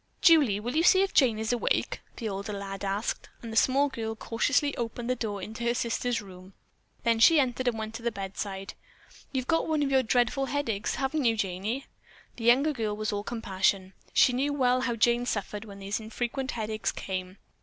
"Julie, will you see if Jane is awake?" the older lad asked, and the small girl cautiously opened the door into her sister's room. Then she entered and went to the bedside. "You've got one of your dreadful headaches, haven't you, Janey?" The younger girl was all compassion. She knew well how Jane suffered when these infrequent headaches came.